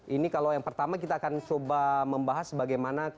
ini kalau yang pertama kita akan coba membahas bagaimana